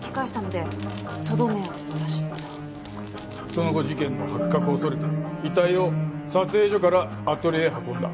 その後事件の発覚を恐れて遺体を撮影所からアトリエへ運んだ。